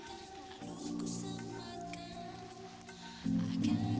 tantang lu doang alim